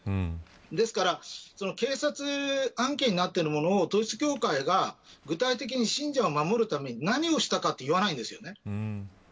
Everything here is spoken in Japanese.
ですから警察案件になっているものを統一教会が具体的に信者を守るために何をしたかを言わないんです。